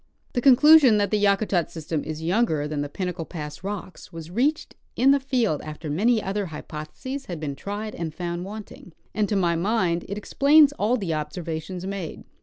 The conclusion that the Yakutat system is younger than the Pinnacle pass rocks was reached in the field after many other hypotheses had been tried and found Avanting, and to my mind it explains all the observations made.